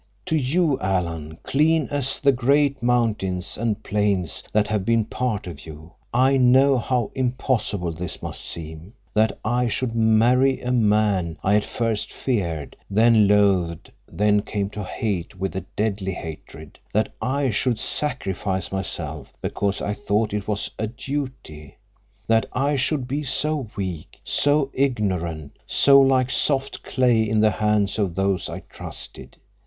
To you, Alan, clean as the great mountains and plains that have been a part of you, I know how impossible this must seem—that I should marry a man I at first feared, then loathed, then came to hate with a deadly hatred; that I should sacrifice myself because I thought it was a duty; that I should be so weak, so ignorant, so like soft clay in the hands of those I trusted.